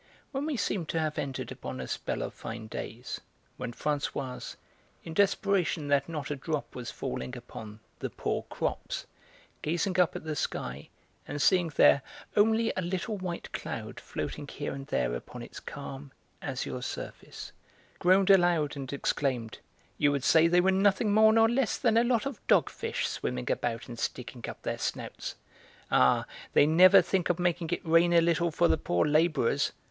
When we seemed to have entered upon a spell of fine days, when Françoise, in desperation that not a drop was falling upon the 'poor crops,' gazing up at the sky and seeing there only a little white cloud floating here and there upon its calm, azure surface, groaned aloud and exclaimed: "You would say they were nothing more nor less than a lot of dogfish swimming about and sticking up their snouts! Ah, they never think of making it rain a little for the poor labourers!